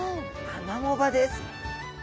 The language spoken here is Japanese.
アマモ場です。